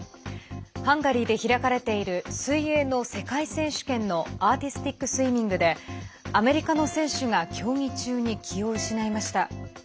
ハンガリーで開かれている水泳の世界選手権のアーティスティックスイミングでアメリカの選手が競技中に気を失いました。